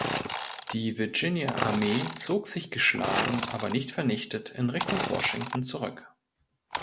Die Virginia-Armee zog sich geschlagen, aber nicht vernichtet, in Richtung Washington zurück.